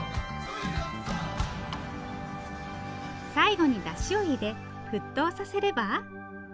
最後にだしを入れ沸騰させれば。